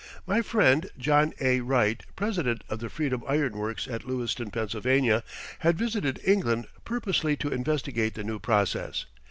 My friend, John A. Wright, president of the Freedom Iron Works at Lewiston, Pennsylvania, had visited England purposely to investigate the new process.